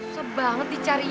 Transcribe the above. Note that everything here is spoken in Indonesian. susah banget dicarinya